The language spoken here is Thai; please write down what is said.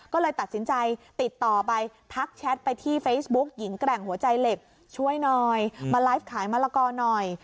ก็เลยตัดสินใจติดต่อไปทักแชทไปที่เฟซบุ๊กหญิงแกร่งหัวใจเหล็กช่วยหน่อยมาไลฟ์ขายมะละกอหน่อย